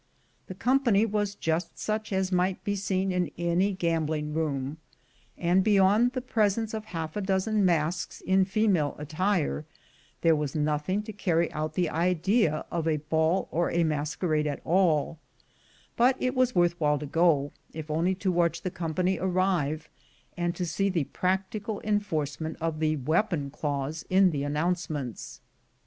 The company was just such as might be seen in any gambling room; and, beyond the presence of half a dozen masks in female attire, there was nothing to carry out the idea of a ball or a masquerade at all; but it was worth while to go, if only to watch the company arrive, and to see the practical enforcement of the weapon clause in the announcements.